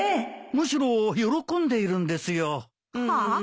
むしろ喜んでいるんですよ。